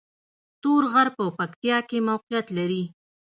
تور غر په پکتیا کې موقعیت لري